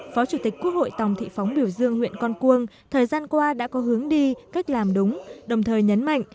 phó chủ tịch quốc hội tòng thị phóng biểu dương huyện con cuông thời gian qua đã có hướng đi cách làm đúng đồng thời nhấn mạnh